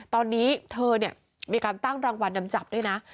ตอนนี้เธอเนี่ยมีการตั้งรางวัลนำจับด้วยนะ